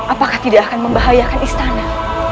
apakah tidak akan membahayakan istana